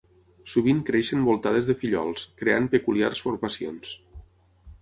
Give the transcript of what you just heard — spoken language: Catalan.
Sovint creixen voltades de fillols, creant peculiars formacions.